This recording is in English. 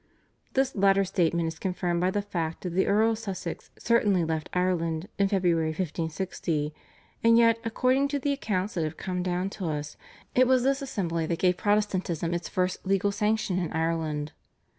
" This latter statement is confirmed by the fact that the Earl of Sussex certainly left Ireland in February 1560. And yet, according to the accounts that have come down to us, it was this assembly that gave Protestantism its first legal sanction in Ireland.